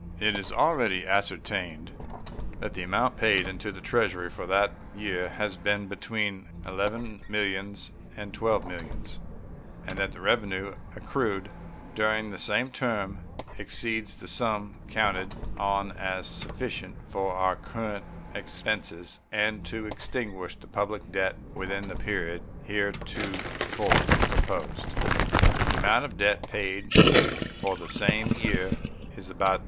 It is already ascertained that the amount paid into the Treasury for that year has been between $11 millions and $12 millions, and that the revenue accrued during the same term exceeds the sum counted on as sufficient for our current expenses and to extinguish the public debt within the period heretofore proposed. The amount of debt paid for the same year is about $3.